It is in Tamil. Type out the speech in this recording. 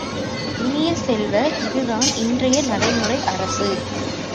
இனிய செல்வ, இதுதான் இன்றைய நடைமுறை அரசு.